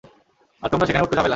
আর তোমরা সেখানে উটকো ঝামেলা।